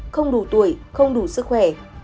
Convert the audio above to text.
không đủ tuổi không đủ sức khỏe